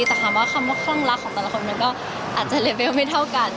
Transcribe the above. แต่คำว่าคำว่าคลั่งรักของแต่ละคนมันก็อาจจะเลเวลไม่เท่ากัน